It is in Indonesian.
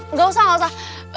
enggak usah enggak usah